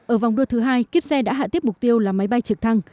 ở vòng đua thứ hai kiếp xe đã hạ tiếp mục tiêu là máy bay trực thăng